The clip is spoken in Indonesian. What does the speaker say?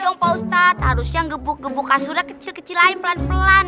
iya dong pak ustadz harusnya ngebuk gebuk kasurnya kecil kecil aja pelan pelan